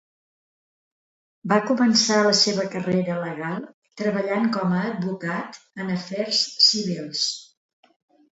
Va començar la seva carrera legal treballant com a advocat en afers civils.